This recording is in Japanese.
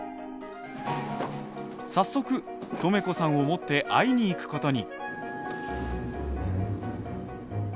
早速とめこさんを持って会いに行く事に。